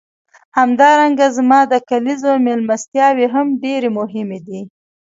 همدارنګه زما د کلیزو میلمستیاوې هم ډېرې مهمې دي.